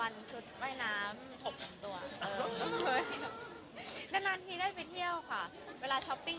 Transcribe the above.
อันนู้นก็สวยอันนี้ก็สวยอยากใส่ไปหมดก็เลยเอาไปหลายตัวหน่อย